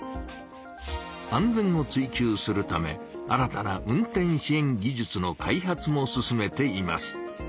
安全を追求するため新たな運転支援技術の開発も進めています。